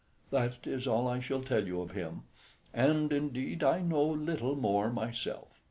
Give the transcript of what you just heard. That is all I shall tell you of him, and indeed I know little more myself.